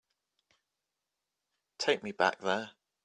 Take me back there.